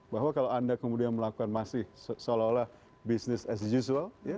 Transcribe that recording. bahwa kalau anda kemudian melakukan masih seolah olah business as usual